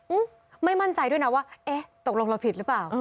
ไม่มั่นใจด้วยนะว่าเอ๊ะตกลงเราผิดหรือเปล่า